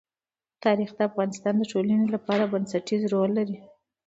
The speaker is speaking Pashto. تاریخ د افغانستان د ټولنې لپاره بنسټيز رول لري.